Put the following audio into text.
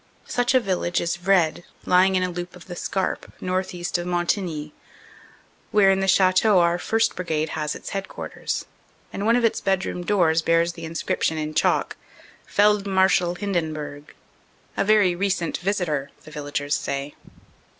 Such a village is Vred, lying in a loop of the Scarpe, northeast of Montigny, where in the chateau our 1st. Brigade has its headquarters, and one of its bedroom doors bears the inscription in chalk: "Feldmarschall Hinden burg" a very recent visitor, the villagers say.